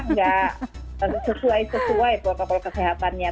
nggak sesuai sesuai protokol kesehatannya